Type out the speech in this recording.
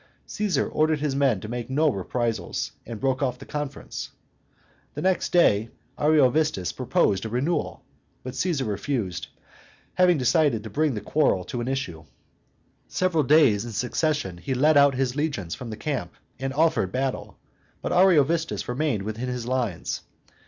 Caesar ordered his men to make no reprisals, and broke off the conference. The next day but one Ariovistus proposed a renewal; but Caesar refused, having decided to bring the quarrel to an issue. Several days in succession he led out his legions from their camp, and offered battle; but Ariovistus remained within his lines.